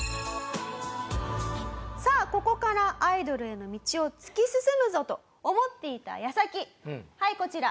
さあここからアイドルへの道を突き進むぞと思っていた矢先はいこちら。